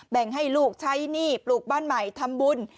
แบ่งให้ลูกใช้หนี้ปลูกบ้านใหม่ทำบุญ